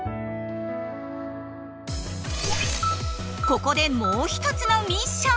ここでもう一つのミッション！